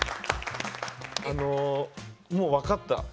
あのもう分かった。